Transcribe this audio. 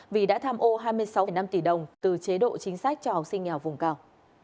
vì đã tham ô hai mươi sáu năm tỷ đồng từ chế độ chính sách cho học sinh nghèo vùng cao